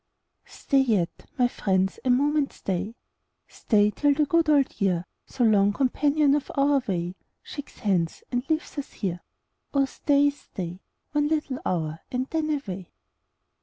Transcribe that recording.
Stat yet, my friends, a moment stay — Stay till the good old year, So long companion of our way, Shakes hands, and leaves ns here. Oh stay, oh stay. One little hour, and then away.